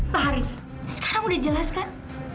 pak haris sekarang udah jelas kan